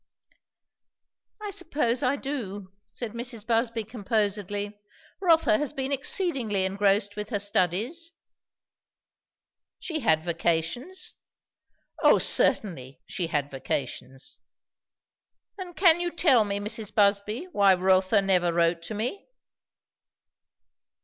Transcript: "I suppose I do," said Mrs. Busby composedly. "Rotha has been exceedingly engrossed with her studies." "She had vacations?" "O certainly. She had vacations." "Then can you tell me, Mrs. Busby, why Rotha never wrote to me?"